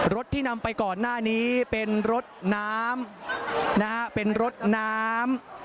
ที่นำไปก่อนหน้านี้เป็นรถน้ำนะฮะเป็นรถน้ำ